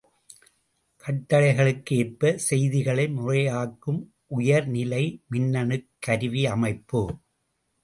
கட்டளைகளுக்கு ஏற்பச் செய்திகளை முறையாக்கும் உயர்நிலை மின்னணுக் கருவியமைப்பு.